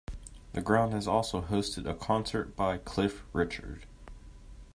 The ground has also hosted a concert by Cliff Richard.